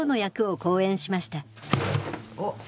あっ。